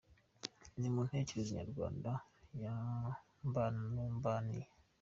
Ni mu ntekerezo nyarwanda ya mbana n’umbaniye.